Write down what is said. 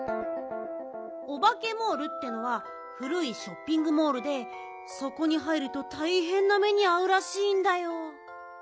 オバケモールっていうのはふるいショッピングモールでそこに入るとたいへんな目にあうらしいんだよ。